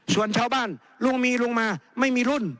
ส่วนชาวบ้านลุงมีลุงมาไม่มีรุ่น